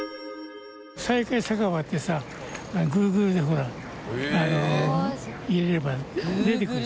『再会酒場』ってさＧｏｏｇｌｅでほら入れれば出てくる。